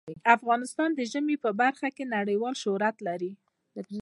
افغانستان د ژمی په برخه کې نړیوال شهرت لري.